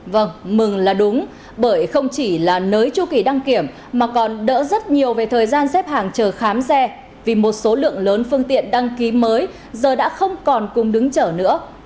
vì một số lượng lớn phương tiện đăng ký mới giờ đã không còn cùng đứng chở nữa